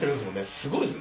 すごいです。